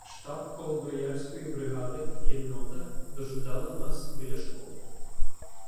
Штаб Холодноярської бригади і кіннота дожидали нас біля школи.